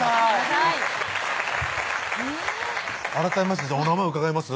はい改めましてお名前伺います？